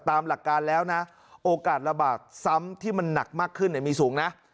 ตามหลักการแล้วนะโอกาสระบาดซ้ำที่มันหนักมากขึ้นมีสูงนะ